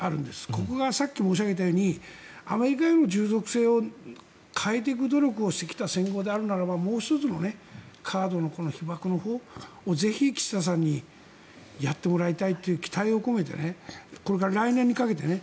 ここがさっき申し上げたようにアメリカへの従属性を変えていく努力をしてきた戦後であるならばもう１つのカードこの被爆のほうもぜひ岸田さんにやってもらいたいという期待を込めて来年にかけてね。